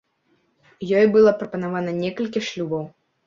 Ёй было прапанавана некалькі шлюбаў.